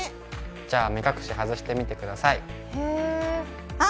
じゃあ目隠し外してみてください。